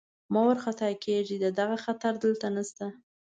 مه وارخطا کېږئ، د دغه خطر دلته نشته.